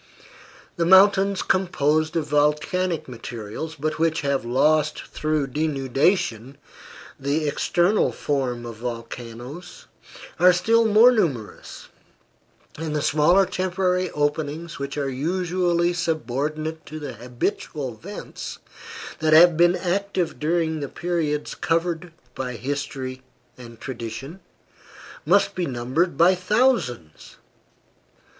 The mountains composed of volcanic materials, but which have lost through denudation the external form of volcanoes, are still more numerous, and the smaller temporary openings which are usually subordinate to the habitual vents that have been active during the periods covered by history and tradition, must be numbered by thousands.